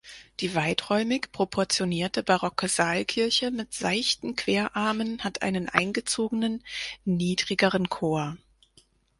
Die weiträumig proportionierte barocke Saalkirche mit seichten Querarmen hat einen eingezogenen niedrigeren Chor.